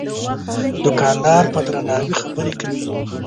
دوکاندار په درناوي خبرې کوي.